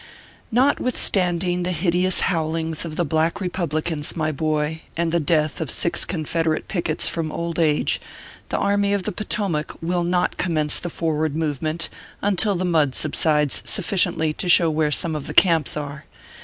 NOTWITHSTANDING the hideous howlings of the Black ^Republicans, my boy, and the death of six Confederate pickets from old age, the Army of the Potomac will not commence the forward movement until the mud subsides sufficiently to show where some of the camps are.